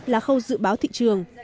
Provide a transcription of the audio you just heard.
là khâu dự báo thị trường